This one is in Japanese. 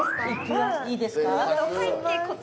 いいんですか？